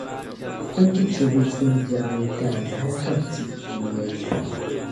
N ku chɛ bɛ tuumbiɛɣu ŋɔ taali hal ka bɛ ti yi dunia yili.